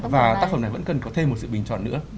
và tác phẩm này vẫn cần có thêm một sự bình chọn nữa